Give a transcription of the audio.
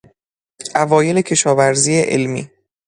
اوایل کشاورزی علمی